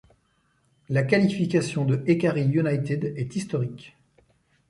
La qualification de Hekari-United est historique.